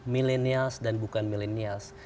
millenials dan bukan millennials